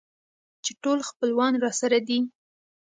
چې ټول خپلوان راسره دي.